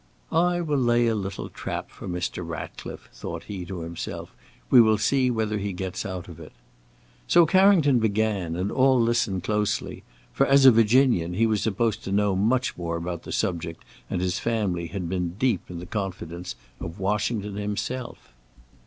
"I will lay a little trap for Mr. Ratcliffe," thought he to himself; "we will see whether he gets out of it." So Carrington began, and all listened closely, for, as a Virginian, he was supposed to know much about the subject, and his family had been deep in the confidence of Washington himself.